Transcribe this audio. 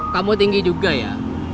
kamu tinggi juga ya